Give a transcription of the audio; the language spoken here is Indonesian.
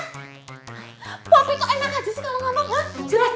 wapik kok enak aja sih kalau enggak marah